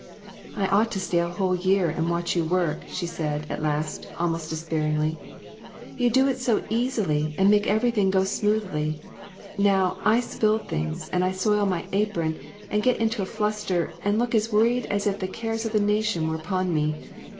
" I ought to stay a whole year and watch you work," she said, at last, almost despairingly; "you do it so easily and make everything go smoothly. Now, I spill things, and I soil my apron, and get into a fluster, and look as worried as if the cares of the nation were upon me.